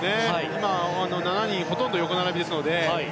今、７人がほとんど横並びですので。